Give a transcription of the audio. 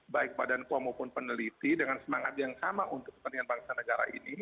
baik badan pom maupun peneliti dengan semangat yang sama untuk kepentingan bangsa negara ini